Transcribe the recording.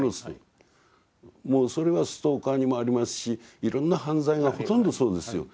もうそれはストーカーにもありますしいろんな犯罪がほとんどそうですよ。